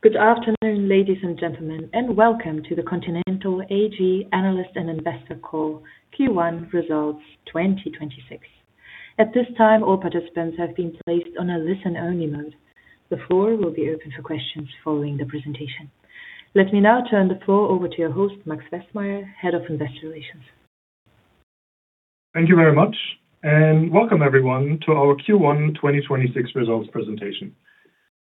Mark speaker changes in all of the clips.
Speaker 1: Good afternoon, ladies and gentlemen, and welcome to the Continental AG Analyst and Investor Call, Q1 Results 2026. At this time, all participants have been placed on a listen-only mode. The floor will be open for questions following the presentation. Let me now turn the floor over to your host, Max Westmeyer, Head of Investor Relations.
Speaker 2: Thank you very much, and welcome everyone to our Q1 2026 results presentation.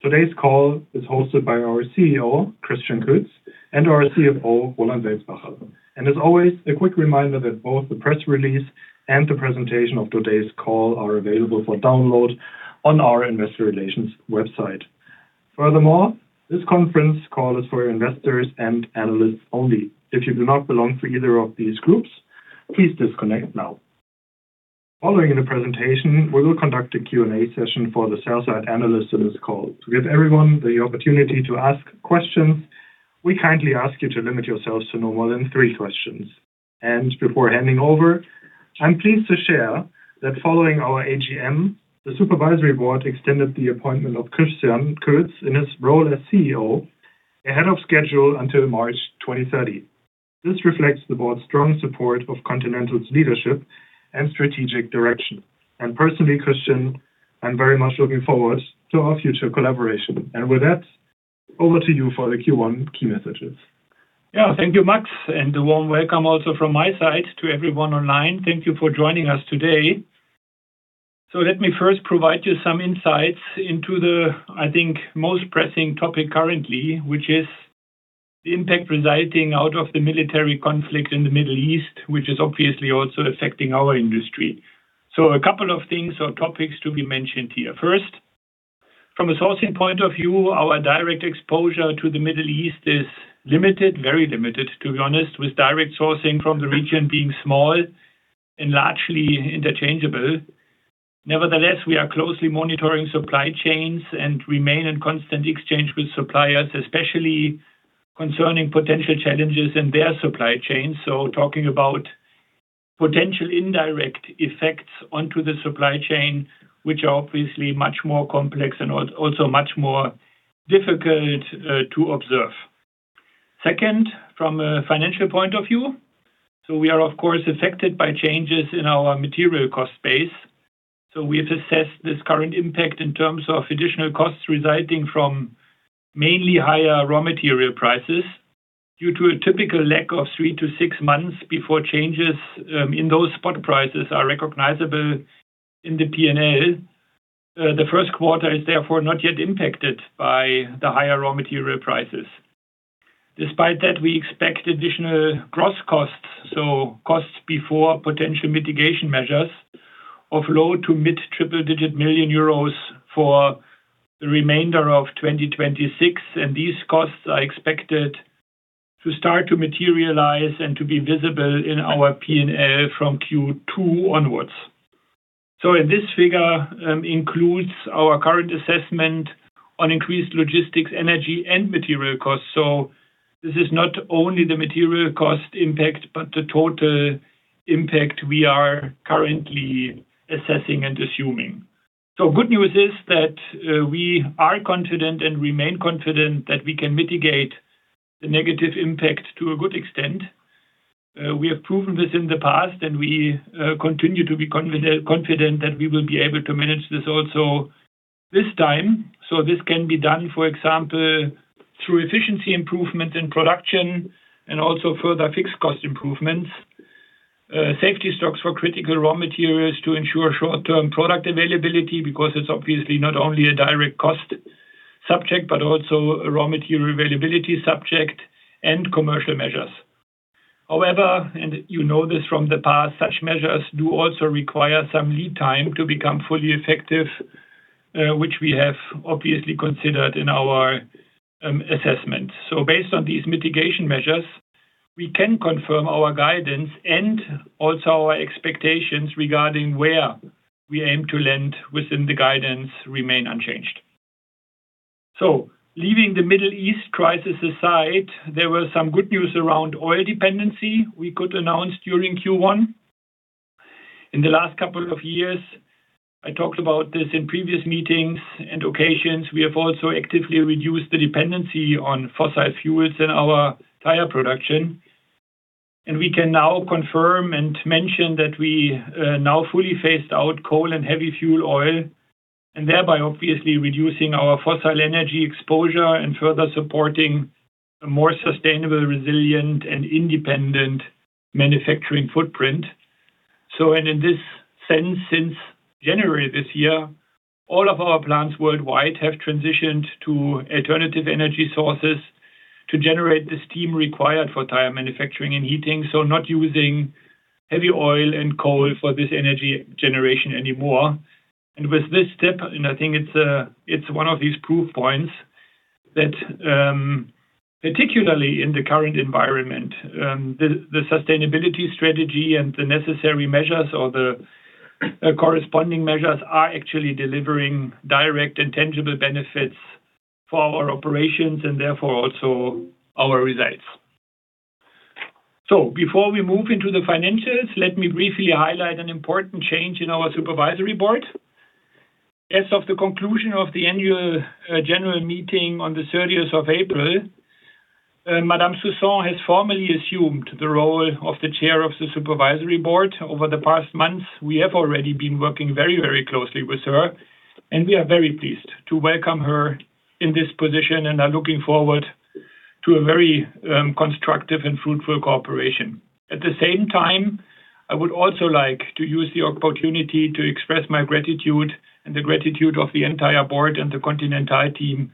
Speaker 2: Today's call is hosted by our CEO, Christian Kötz, and our CFO, Roland Welzbacher. As always, a quick reminder that both the press release and the presentation of today's call are available for download on our Investor Relations website. Furthermore, this conference call is for investors and analysts only. If you do not belong to either of these groups, please disconnect now. Following the presentation, we will conduct a Q&A session for the sell-side analysts on this call. To give everyone the opportunity to ask questions, we kindly ask you to limit yourselves to no more than three questions. Before handing over, I'm pleased to share that following our AGM, the Supervisory Board extended the appointment of Christian Kötz in his role as CEO ahead of schedule until March 2030. This reflects the board's strong support of Continental's leadership and strategic direction. Personally, Christian, I'm very much looking forward to our future collaboration. With that, over to you for the Q1 key messages.
Speaker 3: Yeah. Thank you, Max, and a warm welcome also from my side to everyone online. Thank you for joining us today. Let me first provide you some insights into the, I think, most pressing topic currently, which is the impact resulting out of the military conflict in the Middle East, which is obviously also affecting our industry. A couple of things or topics to be mentioned here. First, from a sourcing point of view, our direct exposure to the Middle East is limited, very limited, to be honest, with direct sourcing from the region being small and largely interchangeable. Nevertheless, we are closely monitoring supply chains and remain in constant exchange with suppliers, especially concerning potential challenges in their supply chain. Talking about potential indirect effects onto the supply chain, which are obviously much more complex and also much more difficult to observe. Second, from a financial point of view. We are of course affected by changes in our material cost base. We have assessed this current impact in terms of additional costs resulting from mainly higher raw material prices. Due to a typical lack of three to six months before changes in those spot prices are recognizable in the P&L, the first quarter is therefore not yet impacted by the higher raw material prices. Despite that, we expect additional gross costs, so costs before potential mitigation measures, of low-to-mid triple-digit million EUR for the remainder of 2026, and these costs are expected to start to materialize and to be visible in our P&L from Q2 onwards. This figure includes our current assessment on increased logistics, energy and material costs. This is not only the material cost impact, but the total impact we are currently assessing and assuming. Good news is that we are confident and remain confident that we can mitigate the negative impact to a good extent. We have proven this in the past, and we continue to be confident that we will be able to manage this also this time. This can be done, for example, through efficiency improvement in production and also further fixed cost improvements. Safety stocks for critical raw materials to ensure short-term product availability, because it's obviously not only a direct cost subject, but also a raw material availability subject and commercial measures. However, and you know this from the past, such measures do also require some lead time to become fully effective, which we have obviously considered in our assessment. Based on these mitigation measures, we can confirm our guidance and also our expectations regarding where we aim to land within the guidance remain unchanged. Leaving the Middle East crisis aside, there were some good news around oil dependency we could announce during Q1. In the last couple of years, I talked about this in previous meetings and occasions, we have also actively reduced the dependency on fossil fuels in our tire production. We can now confirm and mention that we now fully phased out coal and heavy fuel oil, and thereby obviously reducing our fossil energy exposure and further supporting a more sustainable, resilient and independent manufacturing footprint. In this sense, since January this year, all of our plants worldwide have transitioned to alternative energy sources to generate the steam required for tire manufacturing and heating, not using heavy oil and coal for this energy generation anymore. With this step, and I think it's one of these proof points that particularly in the current environment, the sustainability strategy and the necessary measures or the corresponding measures are actually delivering direct and tangible benefits for our operations and therefore also our results. Before we move into the financials, let me briefly highlight an important change in our Supervisory Board. As of the conclusion of the Annual General Meeting on the 30th of April, Madame Soussan has formally assumed the role of the Chair of the Supervisory Board. Over the past months, we have already been working very, very closely with her, and we are very pleased to welcome her in this position and are looking forward to a very constructive and fruitful cooperation. At the same time, I would also like to use the opportunity to express my gratitude and the gratitude of the entire board and the Continental team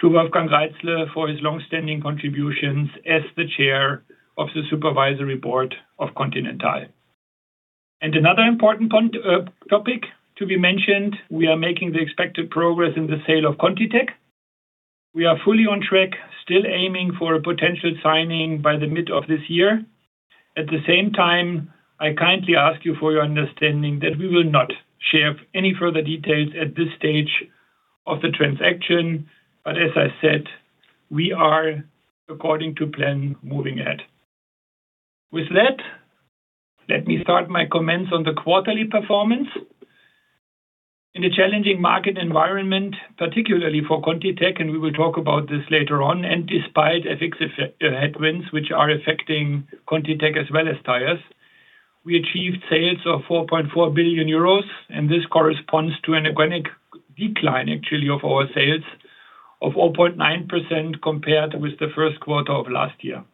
Speaker 3: to Wolfgang Reitzle for his long-standing contributions as the Chair of the Supervisory Board of Continental. Another important topic to be mentioned, we are making the expected progress in the sale of ContiTech. We are fully on track, still aiming for a potential signing by the mid of this year. At the same time, I kindly ask you for your understanding that we will not share any further details at this stage of the transaction. As I said, we are according to plan moving ahead. With that, let me start my comments on the quarterly performance. In a challenging market environment, particularly for ContiTech, and we will talk about this later on, and despite FX effect headwinds which are affecting ContiTech as well as tires, we achieved sales of 4.4 billion euros, and this corresponds to an organic decline actually of our sales of 0.9% compared with the first quarter of last year.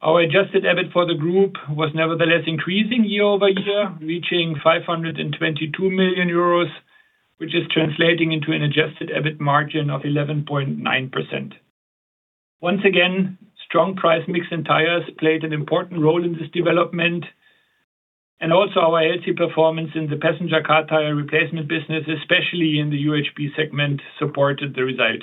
Speaker 3: Our adjusted EBIT for the group was nevertheless increasing year-over-year, reaching 522 million euros, which is translating into an adjusted EBIT margin of 11.9%. Once again, strong price mix in tires played an important role in this development and also our healthy performance in the passenger car tire replacement business, especially in the UHP segment, supported the result.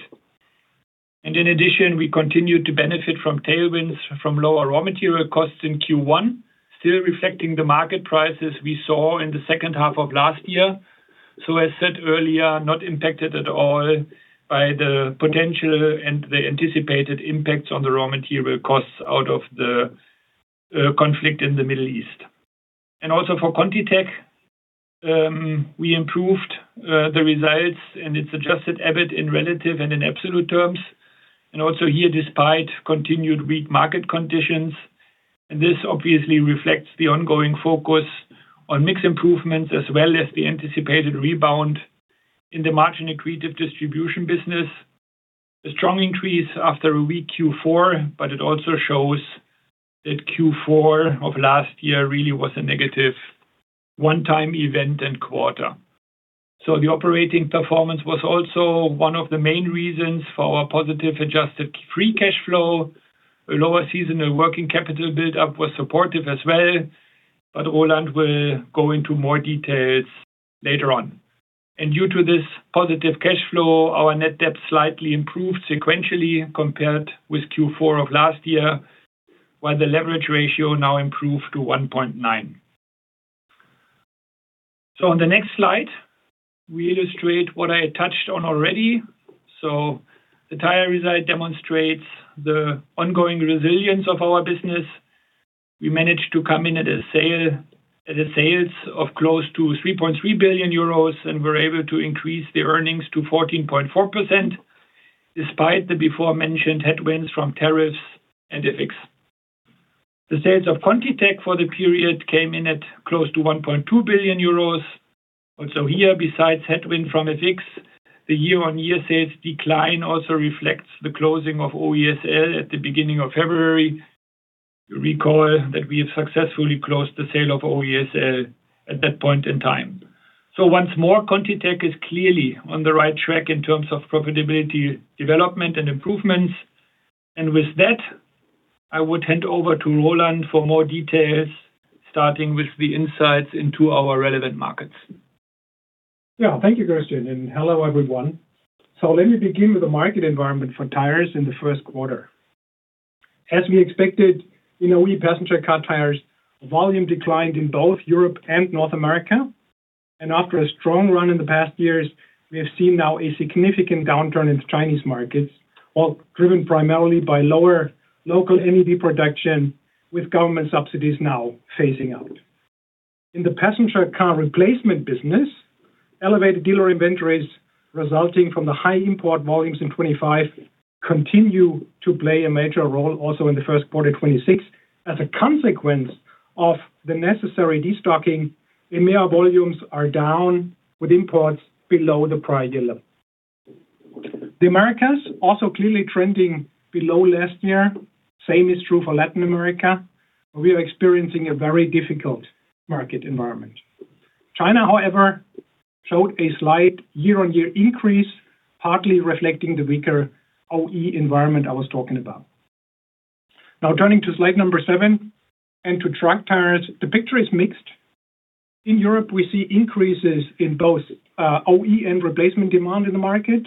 Speaker 3: In addition, we continued to benefit from tailwinds from lower raw material costs in Q1, still reflecting the market prices we saw in the second half of last year. As said earlier, not impacted at all by the potential and the anticipated impacts on the raw material costs out of the conflict in the Middle East. Also for ContiTech, we improved the results and its adjusted EBIT in relative and in absolute terms. Also here, despite continued weak market conditions. This obviously reflects the ongoing focus on mix improvements as well as the anticipated rebound in the margin accretive distribution business. A strong increase after a weak Q4, but it also shows that Q4 of last year really was a negative one-time event and quarter. The operating performance was also one of the main reasons for our positive adjusted free cash flow. A lower seasonal working capital build up was supportive as well, but Roland will go into more details later on. Due to this positive cash flow, our net debt slightly improved sequentially compared with Q4 of last year, while the leverage ratio now improved to 1.9. On the next slide, we illustrate what I touched on already. The tire result demonstrates the ongoing resilience of our business. We managed to come in at a sales of close to 3.3 billion euros and were able to increase the earnings to 14.4% despite the before mentioned headwinds from tariffs and FX. The sales of ContiTech for the period came in at close to 1.2 billion euros. Also here, besides headwind from FX, the year-on-year sales decline also reflects the closing of OESL at the beginning of February. You recall that we have successfully closed the sale of OESL at that point in time. Once more, ContiTech is clearly on the right track in terms of profitability, development and improvements. With that, I would hand over to Roland for more details, starting with the insights into our relevant markets.
Speaker 4: Yeah. Thank you, Christian. Hello, everyone. Let me begin with the market environment for tires in the first quarter. As we expected, in OE passenger car tires, volume declined in both Europe and North America. After a strong run in the past years, we have seen now a significant downturn in Chinese markets, well, driven primarily by lower local NEV production, with government subsidies now phasing out. In the passenger car replacement business, elevated dealer inventories resulting from the high import volumes in 2025 continue to play a major role also in the first quarter 2026. As a consequence of the necessary destocking, EMEA volumes are down with imports below the prior year level. The Americas also clearly trending below last year. Same is true for Latin America. We are experiencing a very difficult market environment. China, however, showed a slight year-on-year increase, partly reflecting the weaker OE environment I was talking about. Turning to slide number seven and to truck tires, the picture is mixed. In Europe, we see increases in both OE and replacement demand in the market.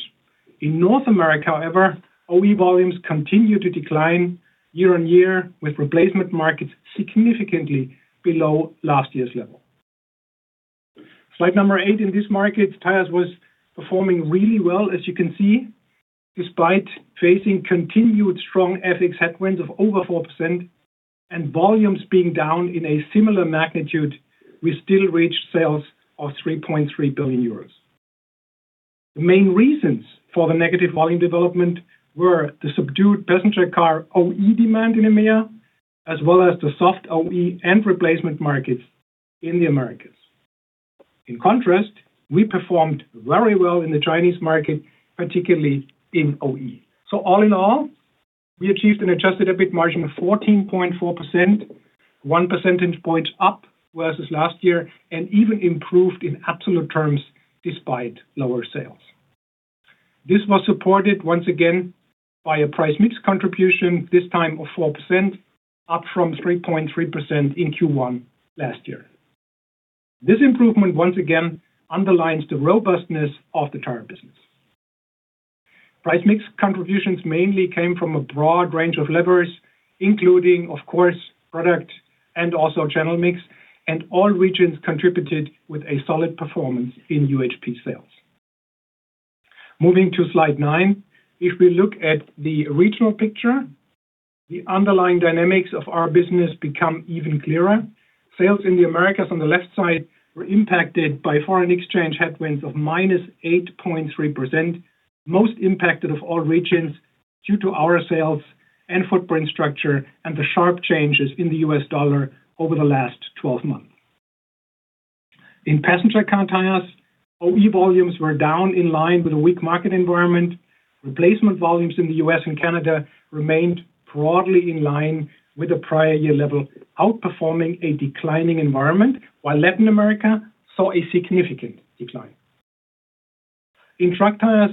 Speaker 4: In North America, however, OE volumes continue to decline year-on-year, with replacement markets significantly below last year's level. Slide number eight. In this market, tires was performing really well, as you can see. Despite facing continued strong FX headwinds of over 4% and volumes being down in a similar magnitude, we still reached sales of 3.3 billion euros. The main reasons for the negative volume development were the subdued passenger car OE demand in EMEA, as well as the soft OE and replacement markets in the Americas. In contrast, we performed very well in the Chinese market, particularly in OE. All in all, we achieved an adjusted EBIT margin of 14.4%, one percentage point up versus last year, and even improved in absolute terms despite lower sales. This was supported once again by a price mix contribution, this time of 4%, up from 3.3% in Q1 last year. This improvement once again underlines the robustness of the tire business. Price mix contributions mainly came from a broad range of levers, including, of course, product and also channel mix, and all regions contributed with a solid performance in UHP sales. Moving to slide nine. If we look at the regional picture, the underlying dynamics of our business become even clearer. Sales in the Americas on the left side were impacted by foreign exchange headwinds of -8.3%, most impacted of all regions due to our sales and footprint structure and the sharp changes in the U.S. dollar over the last 12 months. In passenger car tires, OE volumes were down in line with a weak market environment. Replacement volumes in the U.S. and Canada remained broadly in line with the prior year level, outperforming a declining environment, while Latin America saw a significant decline. In truck tires,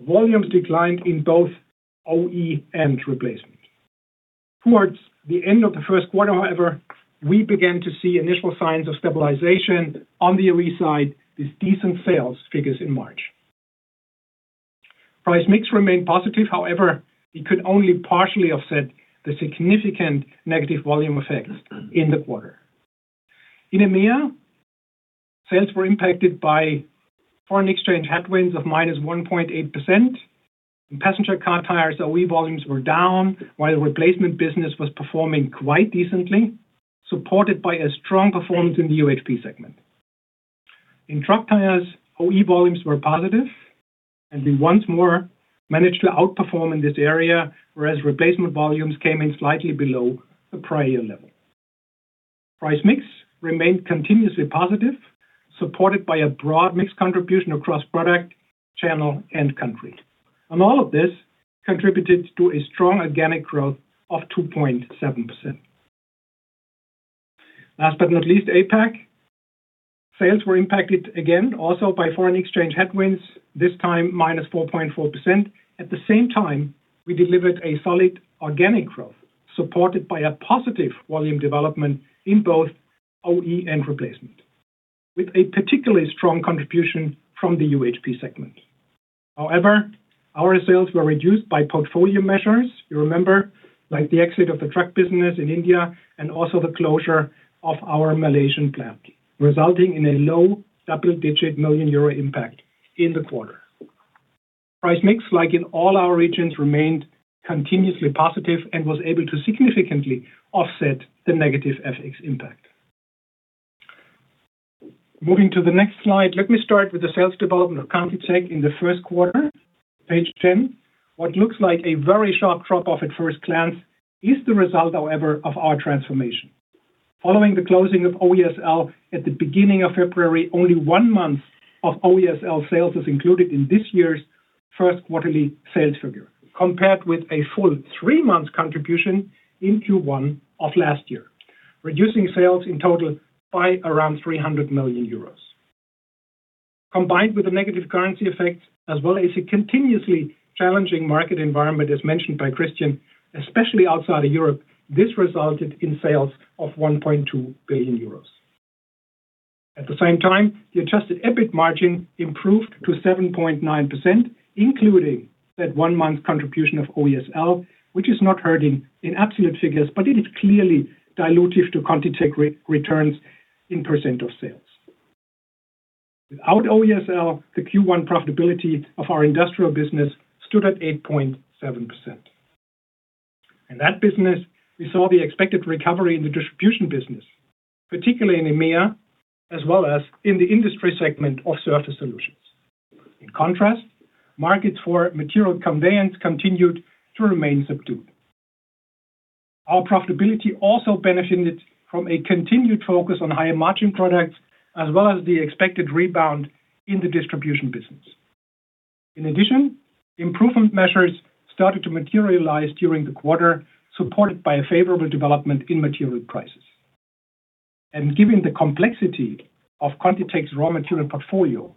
Speaker 4: volumes declined in both OE and replacement. Towards the end of the first quarter, however, we began to see initial signs of stabilization on the OE side with decent sales figures in March. Price mix remained positive, however, it could only partially offset the significant negative volume effect in the quarter. In EMEA, sales were impacted by foreign exchange headwinds of -1.8%. In passenger car tires, OE volumes were down while the replacement business was performing quite decently, supported by a strong performance in the UHP segment. In truck tires, OE volumes were positive, and we once more managed to outperform in this area, whereas replacement volumes came in slightly below the prior year level. Price mix remained continuously positive, supported by a broad mix contribution across product, channel, and country. All of this contributed to a strong organic growth of 2.7%. Last but not least, APAC. Sales were impacted again also by foreign exchange headwinds, this time -4.4%. At the same time, we delivered a solid organic growth supported by a positive volume development in both OE and replacement, with a particularly strong contribution from the UHP segment. However, our sales were reduced by portfolio measures, you remember, like the exit of the truck business in India and also the closure of our Malaysian plant, resulting in a EUR low double-digit million impact in the quarter. Price mix, like in all our regions, remained continuously positive and was able to significantly offset the negative FX impact. Moving to the next slide. Let me start with the sales development of ContiTech in the first quarter, page 10. What looks like a very sharp drop-off at first glance is the result, however, of our transformation. Following the closing of OESL at the beginning of February, only one month of OESL sales is included in this year's first quarterly sales figure, compared with a full three-month contribution in Q1 of last year, reducing sales in total by around 300 million euros. Combined with the negative currency effect as well as a continuously challenging market environment, as mentioned by Christian, especially outside of Europe, this resulted in sales of 1.2 billion euros. At the same time, the adjusted EBIT margin improved to 7.9%, including that one-month contribution of OESL, which is not hurting in absolute figures, but it is clearly dilutive to ContiTech re-returns in percent of sales. Without OESL, the Q1 profitability of our industrial business stood at 8.7%. In that business, we saw the expected recovery in the distribution business, particularly in EMEA, as well as in the industry segment of Surface Solutions. In contrast, markets for material conveyance continued to remain subdued. Our profitability also benefited from a continued focus on high-margin products as well as the expected rebound in the distribution business. Improvement measures started to materialize during the quarter, supported by a favorable development in material prices. Given the complexity of ContiTech's raw material portfolio,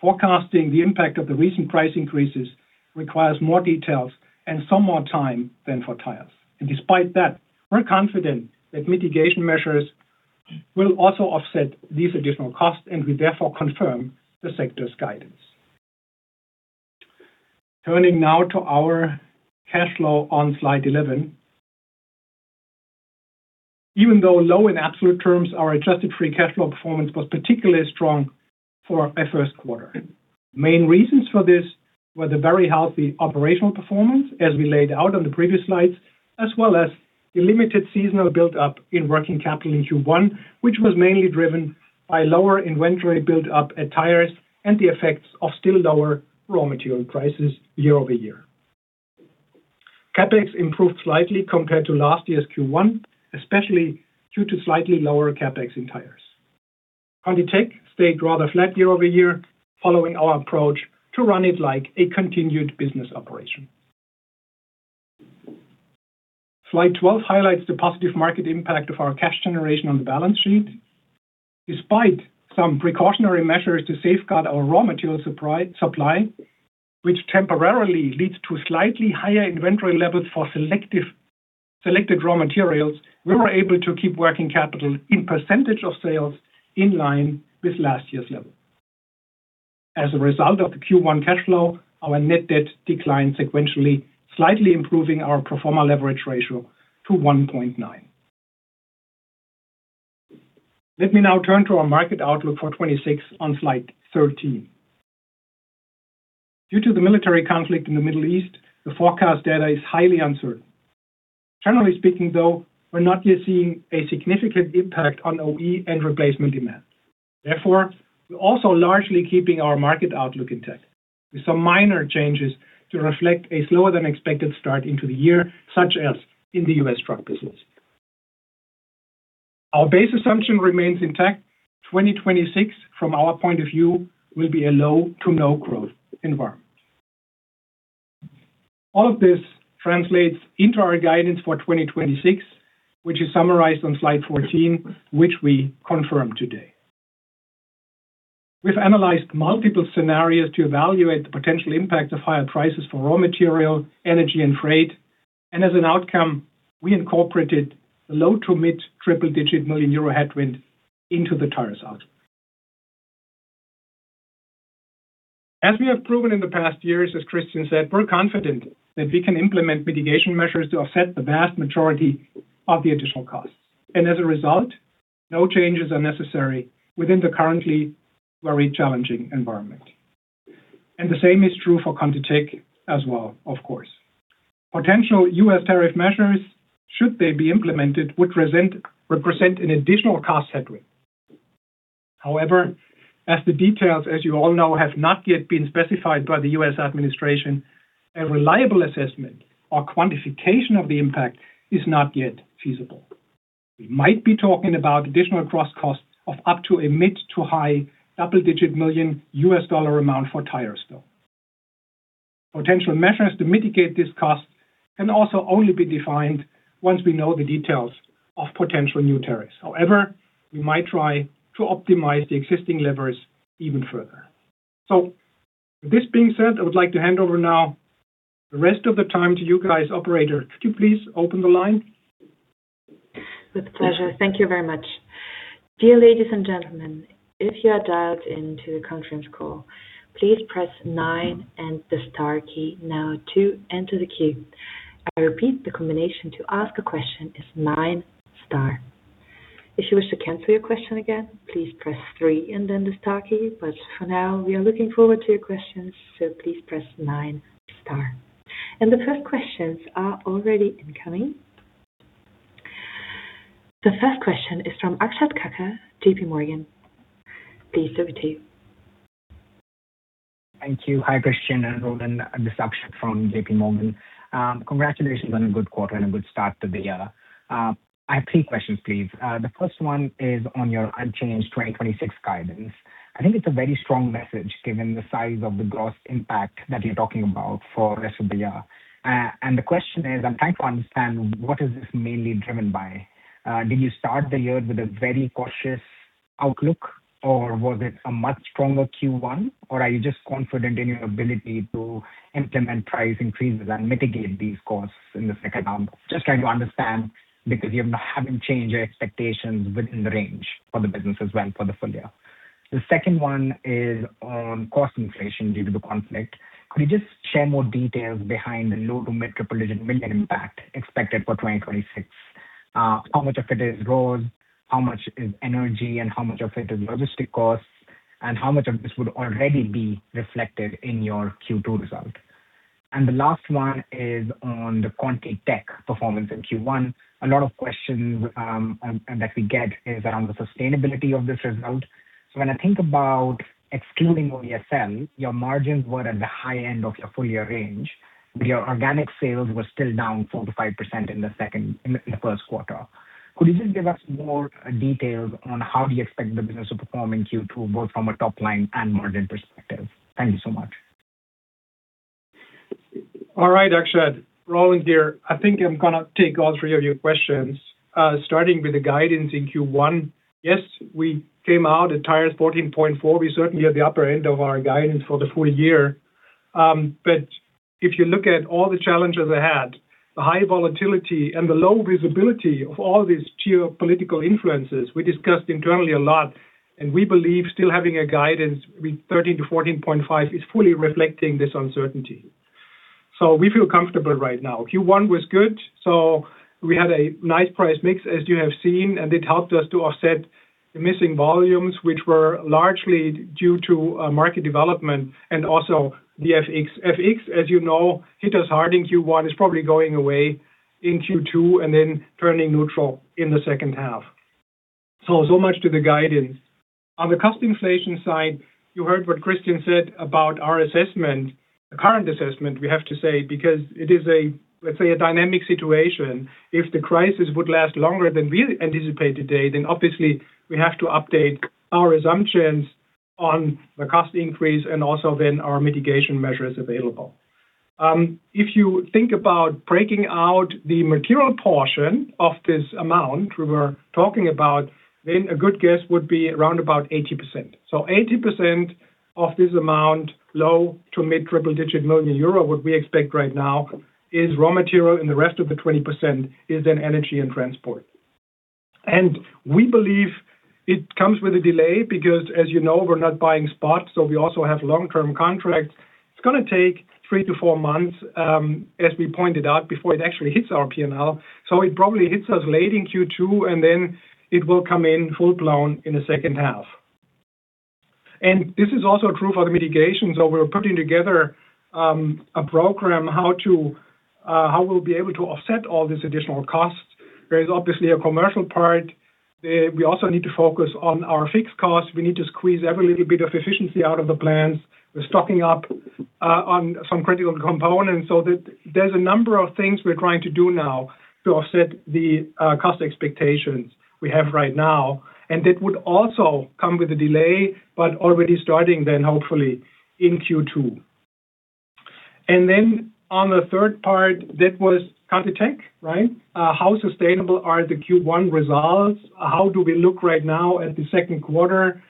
Speaker 4: forecasting the impact of the recent price increases requires more details and some more time than for tires. Despite that, we're confident that mitigation measures will also offset these additional costs, and we therefore confirm the sector's guidance. Turning now to our cash flow on slide 11. Even though low in absolute terms, our adjusted free cash flow performance was particularly strong for a first quarter. Main reasons for this were the very healthy operational performance as we laid out on the previous slides, as well as the limited seasonal build-up in working capital in Q1, which was mainly driven by lower inventory build-up at tires and the effects of still lower raw material prices year-over-year. CapEx improved slightly compared to last year's Q1, especially due to slightly lower CapEx in tires. ContiTech stayed rather flat year-over-year following our approach to run it like a continued business operation. Slide 12 highlights the positive market impact of our cash generation on the balance sheet. Despite some precautionary measures to safeguard our raw material supply, which temporarily leads to slightly higher inventory levels for selected raw materials, we were able to keep working capital in percentage of sales in line with last year's level. As a result of the Q1 cash flow, our net debt declined sequentially, slightly improving our pro forma leverage ratio to 1.9. Let me now turn to our market outlook for 2026 on slide 13. Due to the military conflict in the Middle East, the forecast data is highly uncertain. Generally speaking, though, we're not yet seeing a significant impact on OE and replacement demand. Therefore, we're also largely keeping our market outlook intact with some minor changes to reflect a slower than expected start into the year, such as in the U.S. truck business. Our base assumption remains intact. 2026, from our point of view, will be a low to no growth environment. All of this translates into our guidance for 2026, which is summarized on slide 14, which we confirm today. We've analyzed multiple scenarios to evaluate the potential impact of higher prices for raw material, energy and freight. As an outcome, we incorporated a low-to-mid triple-digit million EUR headwind into the tires outlook. As we have proven in the past years, as Christian said, we're confident that we can implement mitigation measures to offset the vast majority of the additional costs. As a result, no changes are necessary within the currently very challenging environment. The same is true for ContiTech as well, of course. Potential U.S. tariff measures, should they be implemented, would represent an additional cost headwind. As the details, as you all know, have not yet been specified by the U.S. administration, a reliable assessment or quantification of the impact is not yet feasible. We might be talking about additional gross costs of up to a mid-to-high double-digit million U.S. dollar amount for tires still. Potential measures to mitigate this cost can also only be defined once we know the details of potential new tariffs. We might try to optimize the existing levers even further. With this being said, I would like to hand over now the rest of the time to you guys. Operator, could you please open the line?
Speaker 1: With pleasure. Thank you very much. Dear ladies and gentlemen, if you are dialed into the conference call, please press nine and the star key now to enter the queue. I repeat, the combination to ask a question is nine, star. If you wish to cancel your question again, please press three and then the star key. For now, we are looking forward to your questions, so please press nine, star. The first questions are already incoming. The first question is from Akshat Kacker, J.P. Morgan. Please over to you.
Speaker 5: Thank you. Hi, Christian and Roland. This is Akshat from J.P. Morgan. Congratulations on a good quarter and a good start to the year. I have three questions, please. The first one is on your unchanged 2026 guidance. I think it's a very strong message given the size of the gross impact that you're talking about for rest of the year. The question is, I'm trying to understand what is this mainly driven by? Did you start the year with a very cautious outlook, or was it a much stronger Q1? Are you just confident in your ability to implement price increases and mitigate these costs in the second half? Just trying to understand because you haven't changed your expectations within the range for the business as well for the full year. The second one is on cost inflation due to the conflict. Could you just share more details behind the EUR low-to-mid triple-digit million impact expected for 2026? How much of it is raw, how much is energy, and how much of it is logistic costs? How much of this would already be reflected in your Q2 result? The last one is on the ContiTech performance in Q1. A lot of questions that we get is around the sustainability of this result. When I think about excluding OESL, your margins were at the high-end of your full year range, but your organic sales were still down 4%-5% in the first quarter. Could you just give us more details on how do you expect the business to perform in Q2, both from a top line and margin perspective? Thank you so much.
Speaker 4: All right, Akshat. Roland here. I think I'm gonna take all three of your questions. Starting with the guidance in Q1. Yes, we came out at Tires 14.4%. We certainly are at the upper-end of our guidance for the full year. If you look at all the challenges The high volatility and the low visibility of all these geopolitical influences we discussed internally a lot, We believe still having a guidance with 13%-14.5% is fully reflecting this uncertainty. We feel comfortable right now. Q1 was good, We had a nice price mix as you have seen, It helped us to offset the missing volumes, which were largely due to market development and also the FX. FX, as you know, hit us hard in Q1. Much to the guidance. On the cost inflation side, you heard what Christian said about our assessment. The current assessment, we have to say, because it is a, let's say, a dynamic situation. If the crisis would last longer than we anticipate today, obviously we have to update our assumptions on the cost increase and also then our mitigation measures available. If you think about breaking out the material portion of this amount we were talking about, a good guess would be around about 80%. 80% of this amount, low-to-mid triple-digit million euro, what we expect right now is raw material, and the rest of the 20% is in energy and transport. We believe it comes with a delay because we're not buying spot, so we also have long-term contracts. It's going to take three to four months, as we pointed out, before it actually hits our P&L. It probably hits us late in Q2, and then it will come in full-blown in the second half. This is also true for the mitigation. We're putting together a program how we'll be able to offset all these additional costs. There is obviously a commercial part. We also need to focus on our fixed costs. We need to squeeze every little bit of efficiency out of the plans. We're stocking up on some critical components. That there's a number of things we're trying to do now to offset the cost expectations we have right now. That would also come with a delay, but already starting then, hopefully, in Q2. On the third part, that was ContiTech, right? How sustainable are the Q1 results? How do we look right now at the second quarter,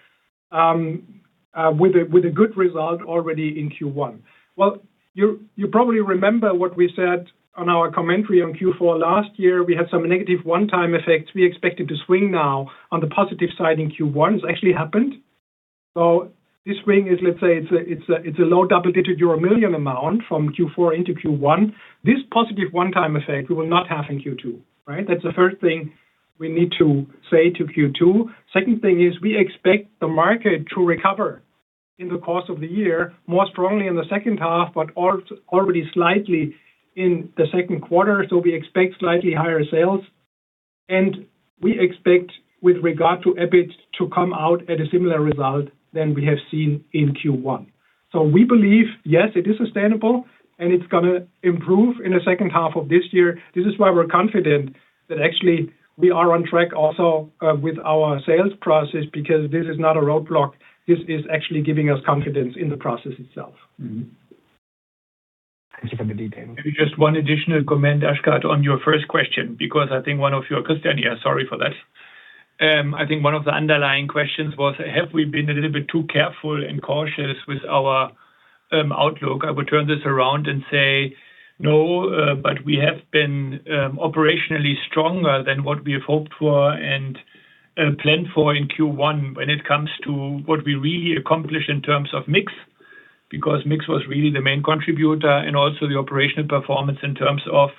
Speaker 4: with a good result already in Q1? Well, you probably remember what we said on our commentary on Q4 last year. We had some negative one-time effects. We expect it to swing now on the positive side in Q1. It's actually happened. This swing is, let's say it's a low double-digit euro million amount from Q4 into Q1. This positive one-time effect we will not have in Q2, right? That's the first thing we need to say to Q2. Second thing is we expect the market to recover in the course of the year, more strongly in the second half, but already slightly in the second quarter. We expect slightly higher sales, and we expect with regard to EBIT to come out at a similar result than we have seen in Q1. We believe, yes, it is sustainable, and it's going to improve in the second half of this year. This is why we're confident that actually we are on track also with our sales process because this is not a roadblock. This is actually giving us confidence in the process itself.
Speaker 5: Mm-hmm. Thank you for the detail.
Speaker 3: Maybe just one additional comment, Akshat Kacker, on your first question, because I think Christian, yeah, sorry for that. I think one of the underlying questions was have we been a little bit too careful and cautious with our outlook? I would turn this around and say no, but we have been operationally stronger than what we have hoped for and planned for in Q1 when it comes to what we really accomplished in terms of mix. Mix was really the main contributor and also the operational performance in terms of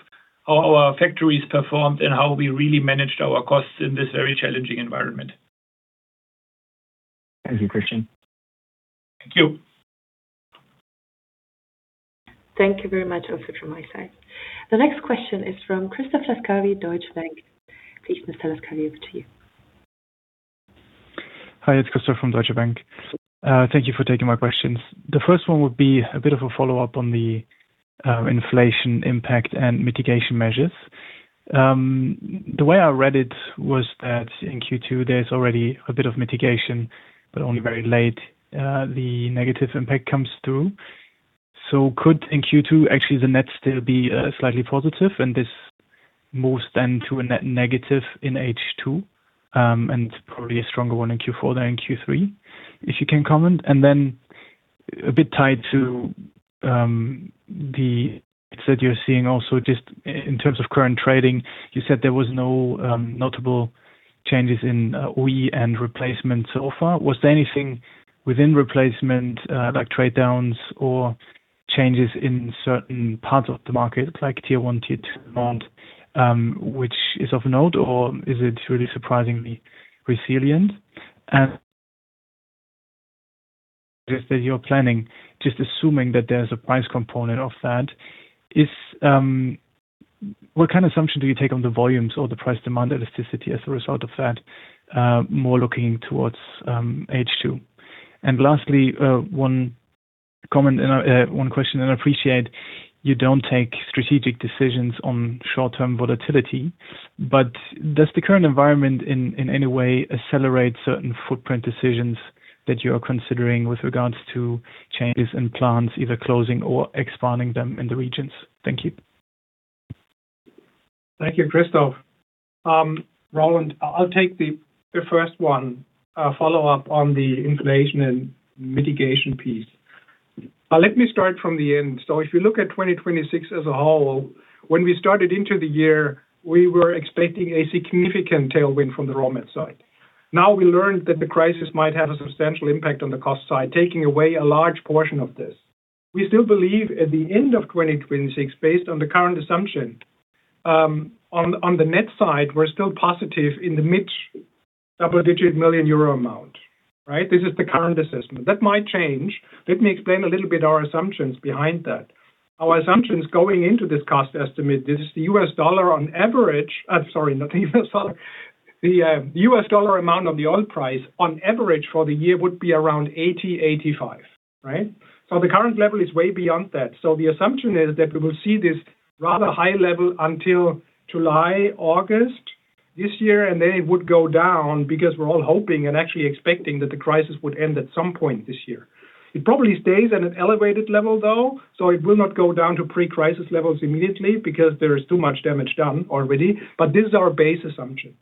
Speaker 3: how our factories performed and how we really managed our costs in this very challenging environment.
Speaker 5: Thank you, Christian.
Speaker 3: Thank you.
Speaker 1: Thank you very much also from my side. The next question is from Christoph Laskawi, Deutsche Bank. Please, Mr. Laskawi, over to you.
Speaker 6: Hi, it's Christoph from Deutsche Bank. Thank you for taking my questions. The first one would be a bit of a follow-up on the inflation impact and mitigation measures. The way I read it was that in Q2, there's already a bit of mitigation, but only very late, the negative impact comes through. Could in Q2 actually the net still be slightly positive and this moves then to a net negative in H2, and probably a stronger one in Q4 than in Q3, if you can comment? Then a bit tied to the bits that you're seeing also just in terms of current trading, you said there was no notable changes in OE and replacement so far. Was there anything within replacement, like trade downs or changes in certain parts of the market, like tier 1, tier 2 and on, which is of note, or is it really surprisingly resilient? Just as you're planning, just assuming that there's a price component of that, is, what kind of assumption do you take on the volumes or the price demand elasticity as a result of that, more looking towards H2? Lastly, one comment and one question. I appreciate you don't take strategic decisions on short-term volatility, but does the current environment in any way accelerate certain footprint decisions that you are considering with regards to changes in plans, either closing or expanding them in the regions? Thank you.
Speaker 4: Thank you, Christoph. Roland, I'll take the first one, follow up on the inflation and mitigation piece. Let me start from the end. If you look at 2026 as a whole, when we started into the year, we were expecting a significant tailwind from the raw mat side. Now we learned that the crisis might have a substantial impact on the cost side, taking away a large portion of this. We still believe at the end of 2026, based on the current assumption, on the net side, we're still positive in the mid- double-digit million EUR amount, right? This is the current assessment. That might change. Let me explain a little bit our assumptions behind that. Our assumptions going into this cost estimate, this is the U.S. dollar on average. Sorry, not the U.S. dollar. The U.S. dollar amount of the oil price on average for the year would be around $80, $85, right? The current level is way beyond that. The assumption is that we will see this rather high level until July, August this year, and then it would go down because we're all hoping and actually expecting that the crisis would end at some point this year. It probably stays at an elevated level though, so it will not go down to pre-crisis levels immediately because there is too much damage done already, but this is our base assumption.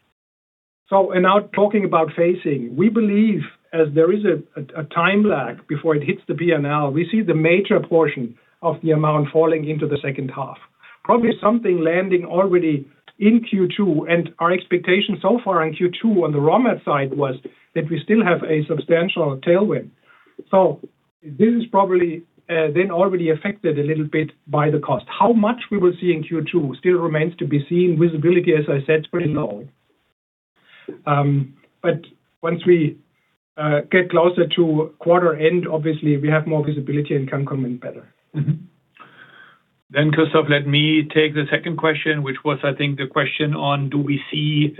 Speaker 4: Now talking about phasing, we believe as there is a time lag before it hits the P&L, we see the major portion of the amount falling into the second half. Probably something landing already in Q2. Our expectation so far in Q2 on the raw mat side was that we still have a substantial tailwind. This is probably then already affected a little bit by the cost. How much we will see in Q2 still remains to be seen. Visibility, as I said, is pretty low. Once we get closer to quarter-end, obviously we have more visibility and can comment better.
Speaker 3: Christoph, let me take the second question, which was I think the question on do we see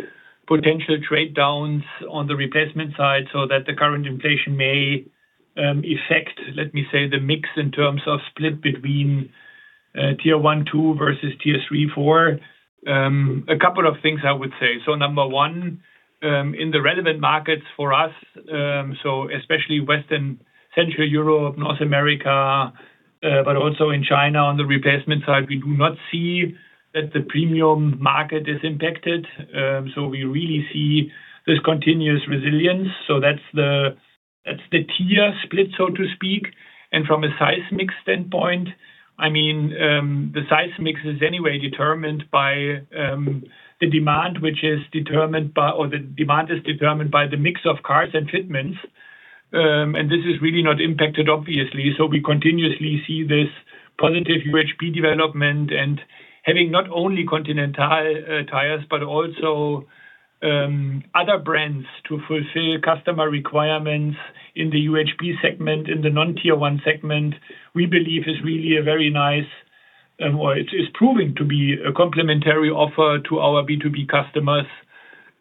Speaker 3: potential trade downs on the replacement side so that the current inflation may affect, let me say, the mix in terms of split between tier 1, 2 versus tier 3, 4. A couple of things I would say. Number one, in the relevant markets for us, especially Western Central Europe, North America, but also in China on the replacement side, we do not see that the premium market is impacted. We really see this continuous resilience. That's the tier split, so to speak. From a size mix standpoint, I mean, the size mix is anyway determined by the demand is determined by the mix of cars and fitments, and this is really not impacted obviously. We continuously see this positive UHP development and having not only Continental tires, but also other brands to fulfill customer requirements in the UHP segment, in the non-tier one segment, we believe is really a very nice, or it is proving to be a complementary offer to our B2B customers.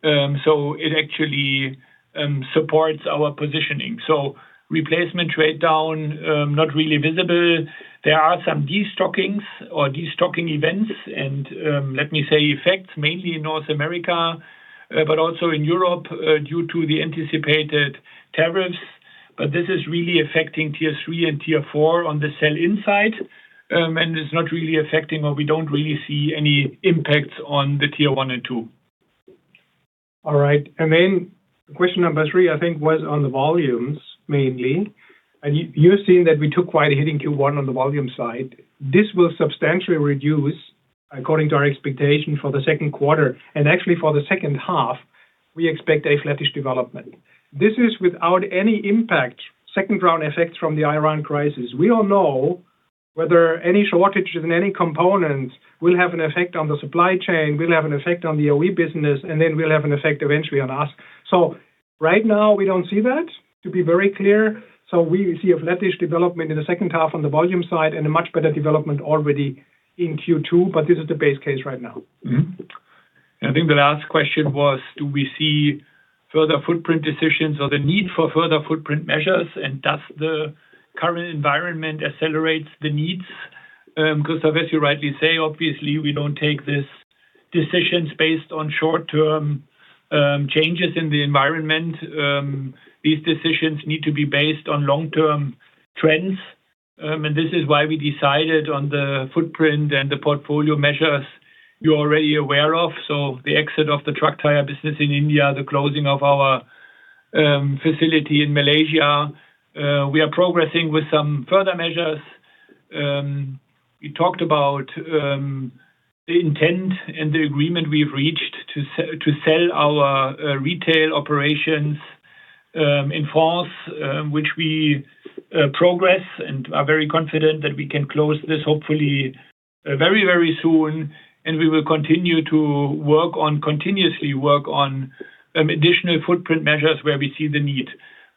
Speaker 3: It actually supports our positioning. Replacement rate down, not really visible. There are some destockings or destocking events and, let me say, effects mainly in North America, but also in Europe, due to the anticipated tariffs. This is really affecting tier 3 and tier 4 on the sell-in side, and it's not really affecting or we don't really see any impacts on the tier 1 and 2.
Speaker 4: All right. Question number three, I think was on the volumes mainly. You've seen that we took quite a hitting Q1 on the volume side. This will substantially reduce according to our expectation for the second quarter. Actually, for the second half, we expect a flattish development. This is without any impact, second-round effects from the Iran crisis. We don't know whether any shortages in any components will have an effect on the supply chain, will have an effect on the OE business, and will have an effect eventually on us. Right now we don't see that, to be very clear. We see a flattish development in the second half on the volume side and a much better development already in Q2, but this is the base case right now.
Speaker 3: I think the last question was do we see further footprint decisions or the need for further footprint measures, and does the current environment accelerate the needs? Christoph, as you rightly say, obviously, we don't take these decisions based on short-term changes in the environment. These decisions need to be based on long-term trends. This is why we decided on the footprint and the portfolio measures you're already aware of. The exit of the truck tire business in India, the closing of our facility in Malaysia. We are progressing with some further measures. We talked about the intent and the agreement we've reached to sell our retail operations in France, which we progress and are very confident that we can close this hopefully very, very soon. We will continue to continuously work on additional footprint measures where we see the need.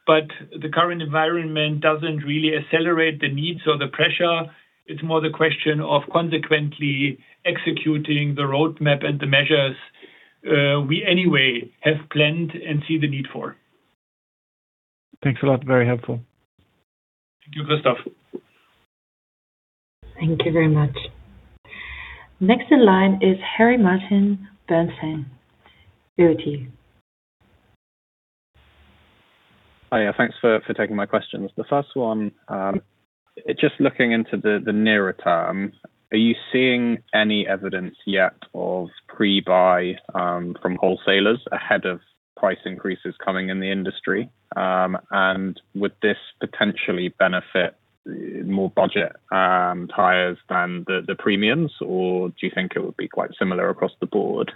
Speaker 3: The current environment doesn't really accelerate the needs or the pressure. It's more the question of consequently executing the roadmap and the measures we anyway have planned and see the need for.
Speaker 6: Thanks a lot. Very helpful.
Speaker 3: Thank you, Christoph.
Speaker 1: Thank you very much. Next in line is Harry Martin, Bernstein.
Speaker 7: Thanks for taking my questions. The first one, just looking into the nearer term, are you seeing any evidence yet of pre-buy from wholesalers ahead of price increases coming in the industry? Would this potentially benefit more budget tires than the premiums, or do you think it would be quite similar across the board?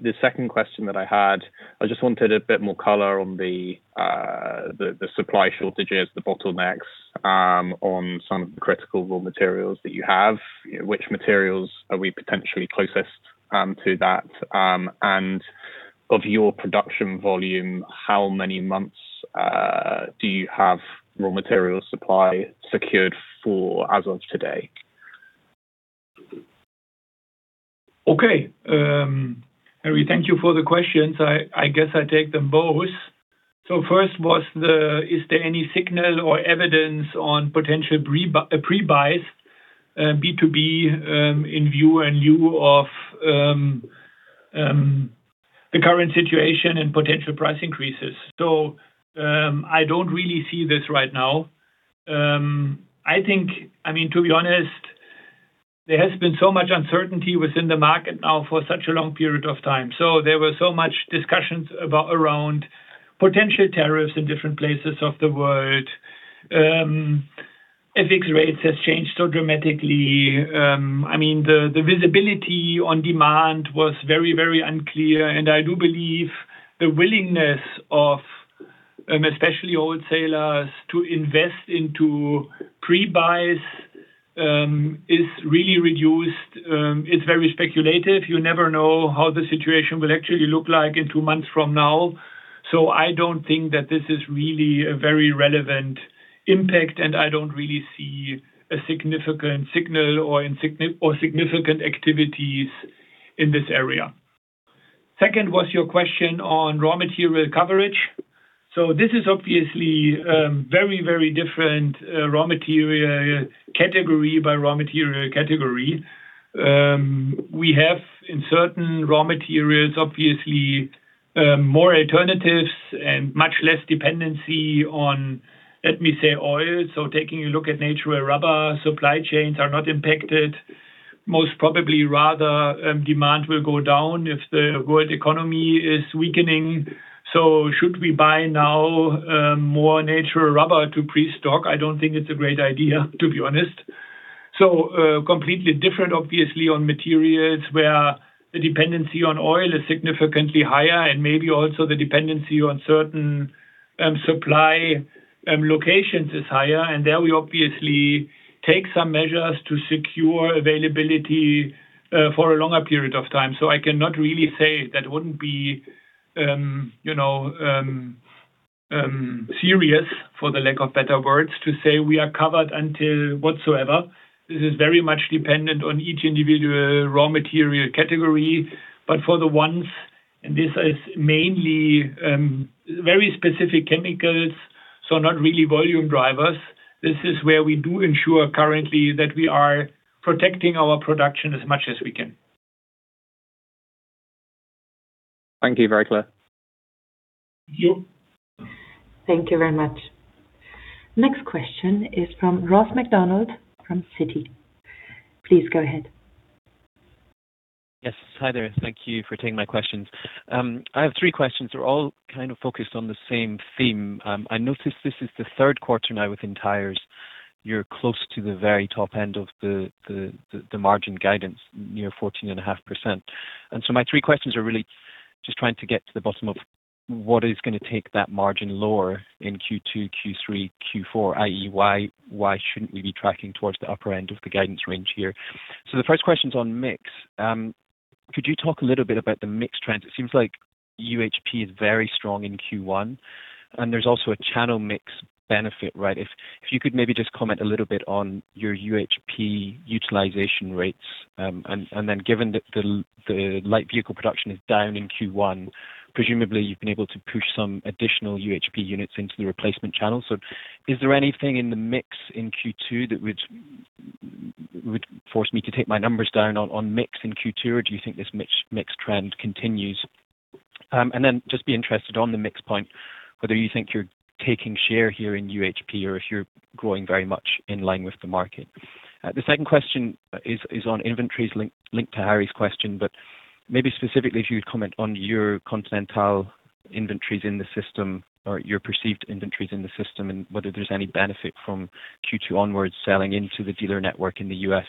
Speaker 7: The second question that I had, I just wanted a bit more color on the supply shortages, the bottlenecks on some of the critical raw materials that you have. Which materials are we potentially closest to that, and of your production volume, how many months do you have raw material supply secured for as of today?
Speaker 3: Okay. Harry, thank you for the questions. I guess I take them both. First was the, is there any signal or evidence on potential pre-buys, B2B, in view, in lieu of the current situation and potential price increases? I don't really see this right now. I think I mean, to be honest, there has been so much uncertainty within the market now for such a long period of time, so there were so much discussions about around potential tariffs in different places of the world. FX rates has changed so dramatically. I mean, the visibility on demand was very, very unclear, and I do believe the willingness of especially wholesalers to invest into pre-buys is really reduced. It's very speculative. You never know how the situation will actually look like in two months from now. I don't think that this is really a very relevant impact, and I don't really see a significant signal or significant activities in this area. Second was your question on raw material coverage. This is obviously very different raw material category by raw material category. We have in certain raw materials obviously more alternatives and much less dependency on, let me say, oil. Taking a look at natural rubber, supply chains are not impacted. Most probably rather, demand will go down if the world economy is weakening. Should we buy now more natural rubber to pre-stock? I don't think it's a great idea, to be honest. Completely different obviously on materials where the dependency on oil is significantly higher and maybe also the dependency on certain supply locations is higher. There we obviously take some measures to secure availability for a longer period of time. I cannot really say that wouldn't be, you know, serious, for the lack of better words, to say we are covered until whatsoever. This is very much dependent on each individual raw material category. For the ones, and this is mainly very specific chemicals, so not really volume drivers, this is where we do ensure currently that we are protecting our production as much as we can.
Speaker 7: Thank you. Very clear.
Speaker 3: [inaudible]
Speaker 1: Thank you very much. Next question is from Ross Macdonald from Citi. Please go ahead.
Speaker 8: Yes. Hi there. Thank you for taking my questions. I have three questions. They're all kind of focused on the same theme. I noticed this is the third quarter now within tires. You're close to the very top end of the margin guidance, near 14.5%. My three questions are really just trying to get to the bottom of what is gonna take that margin lower in Q2, Q3, Q4, i.e., why shouldn't we be tracking towards the upper end of the guidance range here? The first question's on mix. Could you talk a little bit about the mix trends? It seems like UHP is very strong in Q1, and there's also a channel mix benefit, right? If you could maybe just comment a little bit on your UHP utilization rates, given that the light vehicle production is down in Q1, presumably you've been able to push some additional UHP units into the replacement channel. Is there anything in the mix in Q2 that would force me to take my numbers down on mix in Q2, or do you think this mix trend continues? Just be interested on the mix point, whether you think you're taking share here in UHP or if you're growing very much in line with the market. The second question is on inventories linked to Harry's question, but maybe specifically if you'd comment on your Continental inventories in the system or your perceived inventories in the system and whether there's any benefit from Q2 onwards selling into the dealer network in the U.S.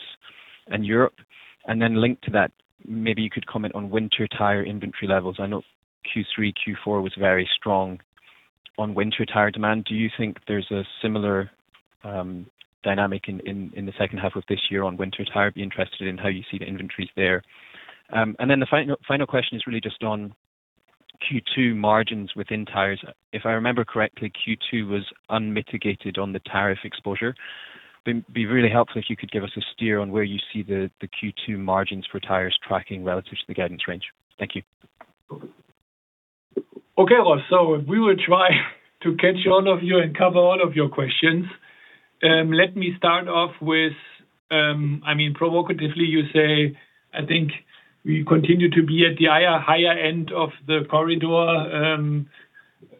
Speaker 8: and Europe. Linked to that, maybe you could comment on winter tire inventory levels. I know Q3, Q4 was very strong on winter tire demand. Do you think there's a similar dynamic in the second half of this year on winter tire? I'd be interested in how you see the inventories there. The final question is really just on Q2 margins within tires. If I remember correctly, Q2 was unmitigated on the tariff exposure. It'd be really helpful if you could give us a steer on where you see the Q2 margins for tires tracking relative to the guidance range. Thank you.
Speaker 3: Ross. We will try to catch all of you and cover all of your questions. Let me start off with, I mean, provocatively you say, I think we continue to be at the higher end of the corridor.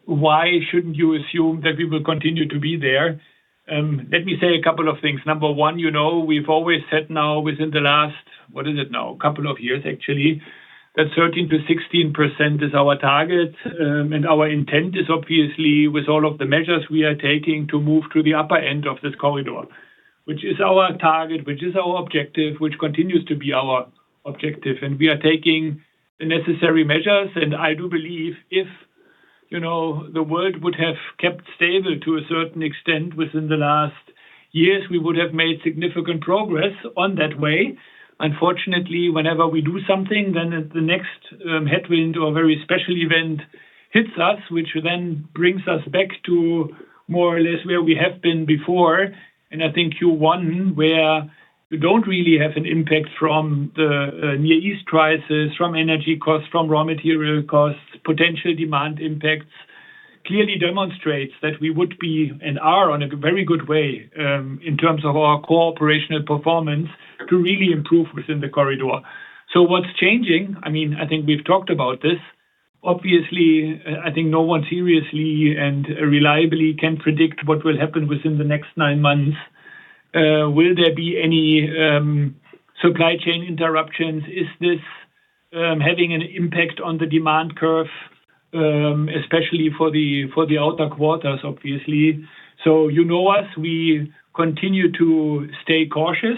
Speaker 3: Why shouldn't you assume that we will continue to be there? Let me say a couple of things. Number one, you know, we've always said now within the last, what is it now? Couple of years actually, that 13%-16% is our target. Our intent is obviously with all of the measures we are taking to move to the upper end of this corridor, which is our target, which is our objective, which continues to be our objective, and we are taking the necessary measures. I do believe if, you know, the world would have kept stable to a certain extent within the last years, we would have made significant progress on that way. Whenever we do something, then the next headwind or very special event hits us, which then brings us back to more or less where we have been before. I think Q1, where we don't really have an impact from the Middle East crisis, from energy costs, from raw material costs, potential demand impacts, clearly demonstrates that we would be, and are, on a very good way in terms of our core operational performance to really improve within the corridor. What's changing, I mean, I think we've talked about this, obviously, I think no one seriously and reliably can predict what will happen within the next nine months. Will there be any supply chain interruptions? Is this having an impact on the demand curve? Especially for the outer quarters, obviously. You know us, we continue to stay cautious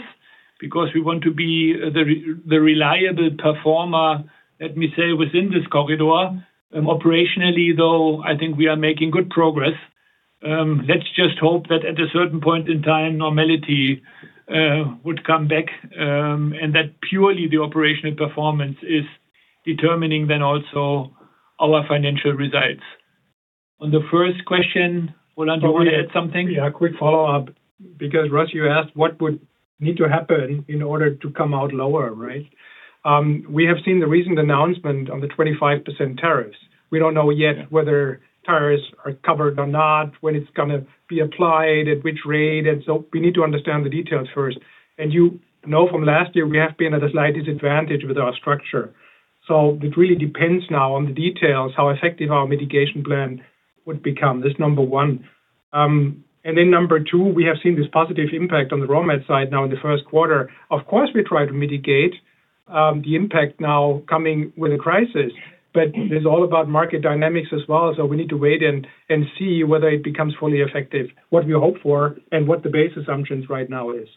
Speaker 3: because we want to be the reliable performer, let me say, within this corridor. Operationally though, I think we are making good progress. Let's just hope that at a certain point in time, normality would come back, and that purely the operational performance is determining then also our financial results. On the first question, Roland, do you want to add something?
Speaker 4: Yeah, a quick follow-up, because Ross, you asked what would need to happen in order to come out lower, right? We have seen the recent announcement on the 25% tariffs. We don't know yet whether tires are covered or not, when it's gonna be applied, at which rate. So we need to understand the details first. You know from last year, we have been at a slight advantage with our structure. So it really depends now on the details, how effective our mitigation plan would become. That's number one. Then number two, we have seen this positive impact on the raw mat side now in the first quarter. Of course, we try to mitigate the impact now coming with the crisis, but it's all about market dynamics as well, so we need to wait and see whether it becomes fully effective, what we hope for and what the base assumptions right now is.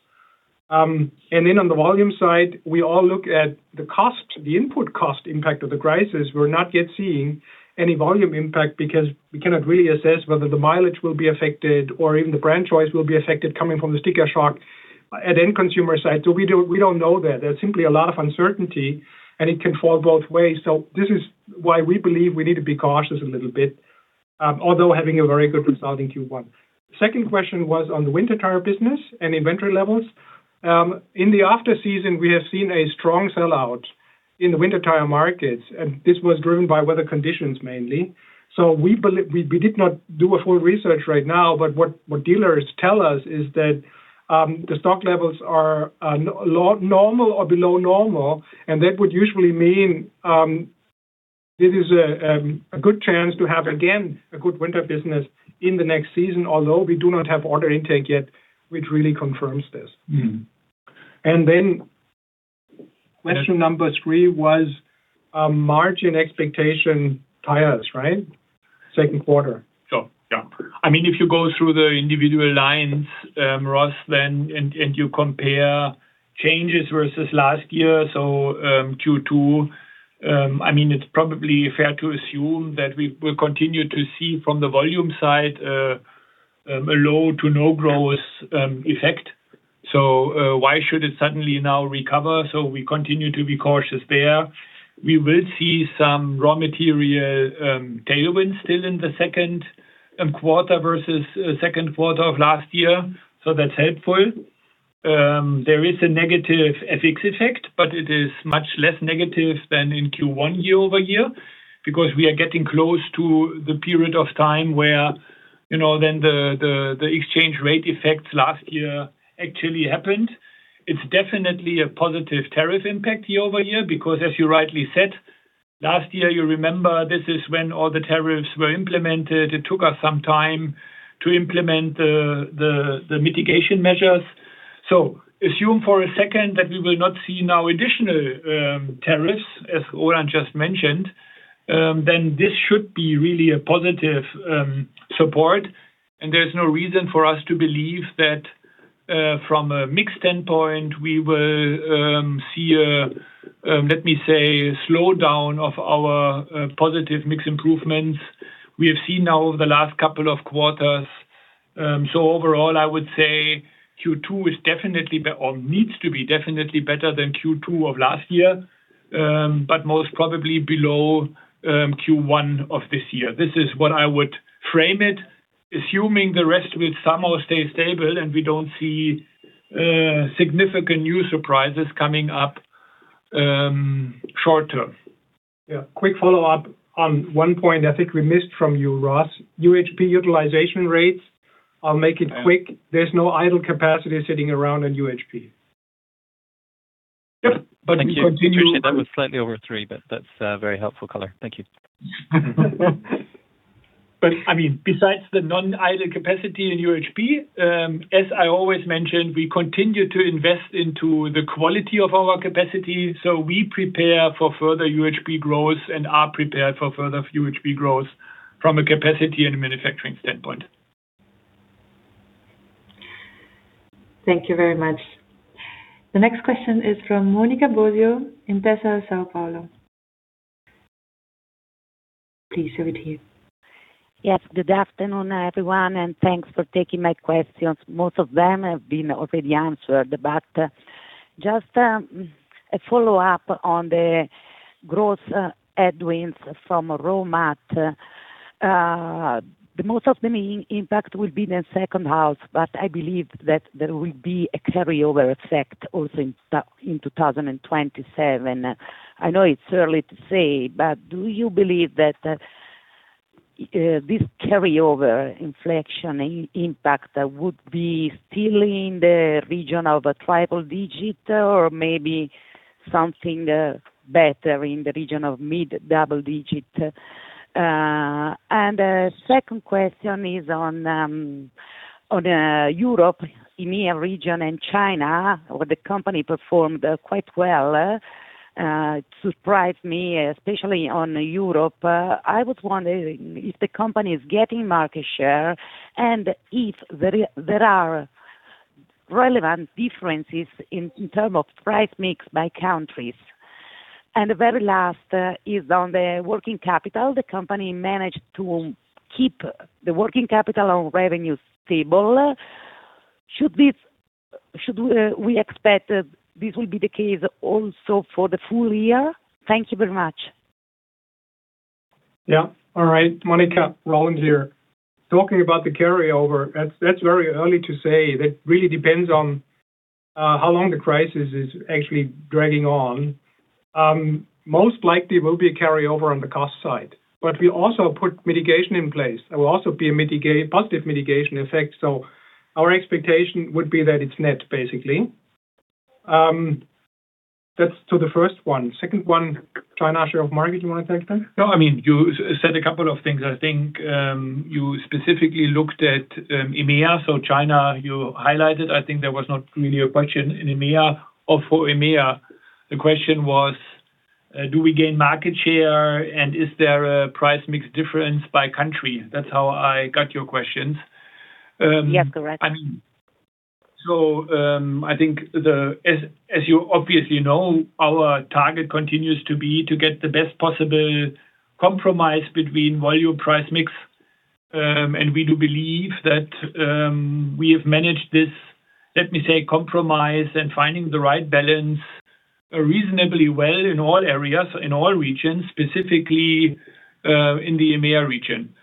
Speaker 4: Then on the volume side, we all look at the cost, the input cost impact of the crisis. We're not yet seeing any volume impact because we cannot really assess whether the mileage will be affected or even the brand choice will be affected coming from the sticker shock at end consumer side. We don't know that. There's simply a lot of uncertainty, and it can fall both ways. This is why we believe we need to be cautious a little bit, although having a very good resulting Q1. Second question was on the winter tire business and inventory levels. In the off season, we have seen a strong sell-out in the winter tire markets, and this was driven by weather conditions mainly. We did not do a full research right now, but what dealers tell us is that the stock levels are normal or below normal, and that would usually mean this is a good chance to have again a good winter business in the next season, although we do not have order intake yet, which really confirms this. Question number three was margin expectation tires, right? Second quarter.
Speaker 3: Yeah. I mean, if you go through the individual lines, Ross, and you compare changes versus last year, Q2, I mean, it's probably fair to assume that we will continue to see from the volume side a low to no growth effect. Why should it suddenly now recover? We continue to be cautious there. We will see some raw material tailwinds still in the second quarter versus second quarter of last year, that's helpful. There is a negative FX effect, but it is much less negative than in Q1 year-over-year because we are getting close to the period of time where, you know, the exchange rate effects last year actually happened. It's definitely a positive tariff impact year-over-year because as you rightly said, last year you remember this is when all the tariffs were implemented. It took us some time to implement the mitigation measures. Assume for a second that we will not see now additional tariffs, as Roland just mentioned. This should be really a positive support, and there's no reason for us to believe that, from a mix standpoint, we will see a, let me say, a slowdown of our positive mix improvements we have seen now over the last couple of quarters. Overall, I would say Q2 needs to be definitely better than Q2 of last year. Most probably below Q1 of this year. This is what I would frame it, assuming the rest will somehow stay stable and we don't see, significant new surprises coming up, short-term.
Speaker 4: Quick follow-up on one point I think we missed from you, Ross. UHP utilization rates. I'll make it quick. There's no idle capacity sitting around on UHP. Yep.
Speaker 8: Thank you.
Speaker 3: But we continue-
Speaker 8: Appreciate that was slightly over three, but that's very helpful color. Thank you.
Speaker 3: Besides the non-idle capacity in UHP, as I always mention, we continue to invest into the quality of our capacity. We prepare for further UHP growth and are prepared for further UHP growth from a capacity and manufacturing standpoint.
Speaker 1: Thank you very much. The next question is from Monica Bosio, Intesa Sanpaolo. Please, over to you.
Speaker 9: Yes, good afternoon, everyone, and thanks for taking my questions. Most of them have been already answered, but just a follow-up on the gross headwinds from raw mat. The most of the main impact will be in the second half, but I believe that there will be a carryover effect also in 2027. I know it's early to say, but do you believe that this carryover inflation impact would be still in the region of a triple-digit or maybe something better in the region of mid-double-digit? And a second question is on Europe, EMEA region and China, where the company performed quite well. It surprised me, especially on Europe. I was wondering if the company is getting market share and if there are relevant differences in term of price mix by countries? The very last is on the working capital. The company managed to keep the working capital on revenue stable. Should we expect this will be the case also for the full year? Thank you very much.
Speaker 4: Monica, Roland here. Talking about the carryover, that's very early to say. That really depends on how long the crisis is actually dragging on. Most likely will be a carryover on the cost side, but we also put mitigation in place. There will also be a positive mitigation effect, so our expectation would be that it's net, basically. That's to the first one. Second one, China share of market, you wanna take that?
Speaker 3: No, I mean, you said a couple of things. I think, you specifically looked at EMEA. China, you highlighted. I think there was not really a question in EMEA or for EMEA. The question was, do we gain market share, and is there a price mix difference by country? That's how I got your questions.
Speaker 9: Yes, correct.
Speaker 3: I mean As you obviously know, our target continues to be to get the best possible compromise between volume price mix. We do believe that we have managed this, let me say, compromise and finding the right balance reasonably well in all areas, in all regions, specifically in the EMEA region.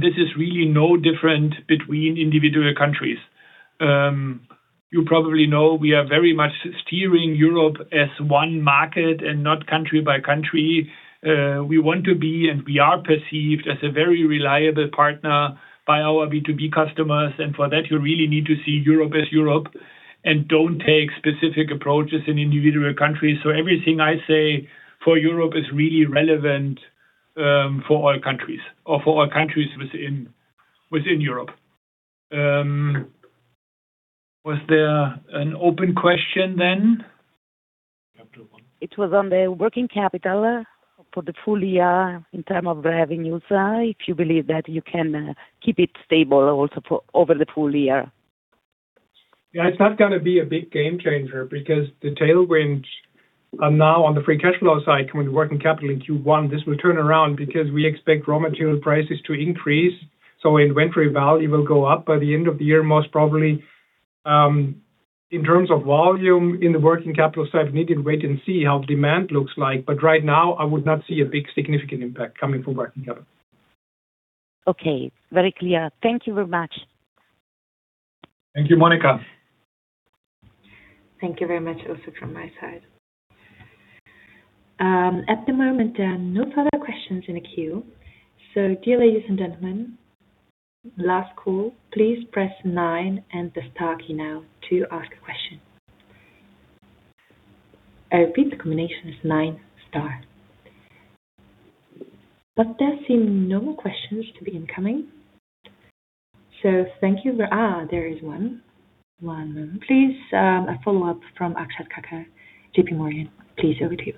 Speaker 3: This is really no different between individual countries. You probably know we are very much steering Europe as one market and not country by country. We want to be and we are perceived as a very reliable partner by our B2B customers. For that, you really need to see Europe as Europe and don't take specific approaches in individual countries. Everything I say for Europe is really relevant for all countries or for all countries within Europe. Was there an open question then?
Speaker 4: [inaudible]
Speaker 9: It was on the working capital for the full year in terms of revenues. If you believe that you can keep it stable also for over the full year?
Speaker 4: Yeah, it's not gonna be a big game changer because the tailwinds are now on the free cash flow side. Coming to working capital in Q1, this will turn around because we expect raw material prices to increase, so inventory value will go up by the end of the year, most probably. In terms of volume in the working capital side, we need to wait and see how demand looks like. Right now, I would not see a big significant impact coming from working capital.
Speaker 9: Okay. Very clear. Thank you very much.
Speaker 3: Thank you, Monica.
Speaker 1: Thank you very much also from my side. At the moment, there are no further questions in the queue. Dear ladies and gentlemen, last call. Please press nine and the star key now to ask a question. I repeat, the combination is nine, star. There seem no more questions to be incoming. Thank you. There is one. one. Please, a follow-up from Akshat Kacker, J.P. Morgan. Please over to you.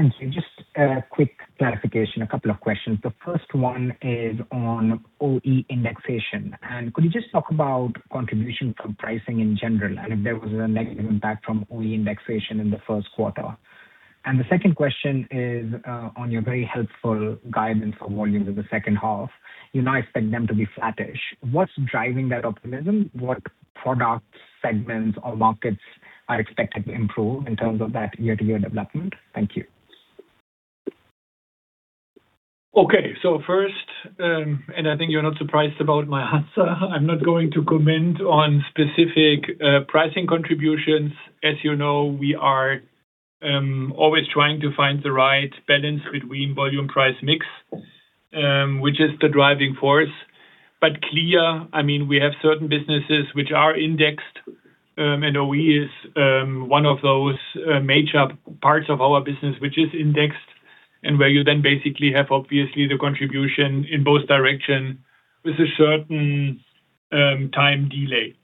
Speaker 5: Thank you. Just a quick clarification, a couple of questions. The firstt one is on OE indexation. Could you just talk about contribution from pricing in general, and if there was a negative impact from OE indexation in the first quarter? The second question is on your very helpful guidance for volumes in the second half. You now expect them to be flattish. What's driving that optimism? What products, segments, or markets are expected to improve in terms of that year-over-year development? Thank you.
Speaker 3: Okay. First, and I think you're not surprised about my answer, I'm not going to comment on specific pricing contributions. As you know, we are always trying to find the right balance between volume-price mix, which is the driving force. Clear, I mean, we have certain businesses which are indexed, and OE is one of those major parts of our business which is indexed and where you then basically have obviously the contribution in both direction with a certain time delay.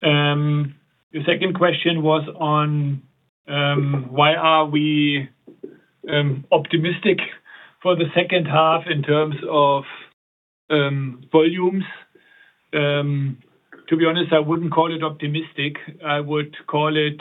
Speaker 3: The second question was on why are we optimistic for the second half in terms of volumes. To be honest, I wouldn't call it optimistic. I would call it,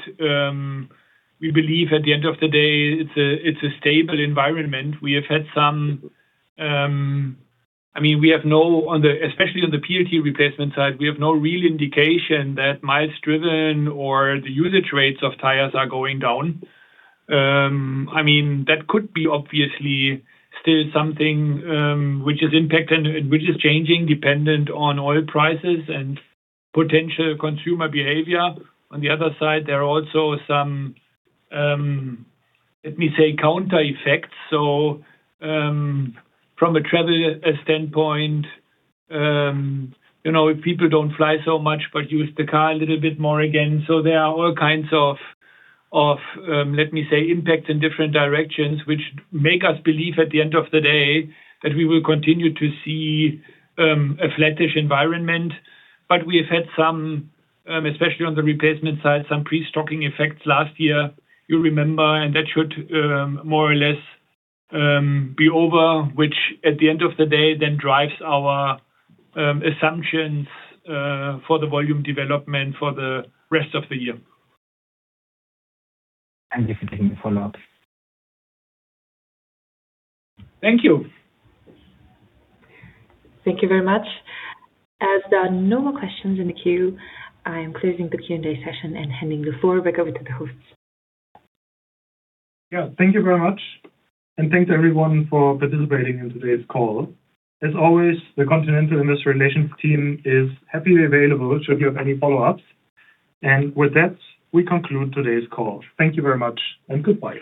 Speaker 3: we believe at the end of the day it's a stable environment. We have had some, I mean, especially on the PLT replacement side, we have no real indication that miles driven or the usage rates of tires are going down. I mean, that could be obviously still something, which is impacting, which is changing dependent on oil prices and potential consumer behavior. On the other side, there are also some, let me say, counter effects. From a travel standpoint, you know, if people don't fly so much but use the car a little bit more again. There are all kinds of, let me say, impacts in different directions which make us believe at the end of the day that we will continue to see, a flattish environment. We have had some, especially on the replacement side, some pre-stocking effects last year, you remember, and that should more or less be over, which at the end of the day then drives our assumptions for the volume development for the rest of the year.
Speaker 5: If we can follow-up.
Speaker 3: Thank you.
Speaker 1: Thank you very much. As there are no more questions in the queue, I am closing the Q&A session and handing the floor back over to the host.
Speaker 2: Yeah. Thank you very much, and thanks, everyone, for participating in today's call. As always, the Continental Investor Relations team is happily available should you have any follow-ups. With that, we conclude today's call. Thank you very much, and goodbye.